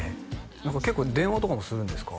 何か結構電話とかもするんですか？